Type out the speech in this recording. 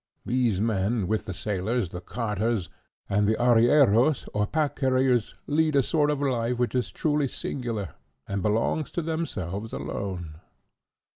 These men, with the sailors, the carters, and the arrieros or pack carriers, lead a sort of life which is truly singular, and belongs to themselves alone.